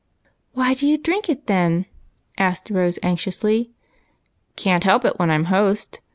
"Why do you drink it, then?" asked Rose, anx iously. " Can't help it, when I 'm host.